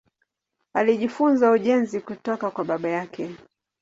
Alijifunza ujenzi kutoka kwa baba yake.